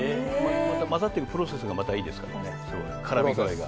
混ざっているプロセスがまたいいですからね、絡み具合が。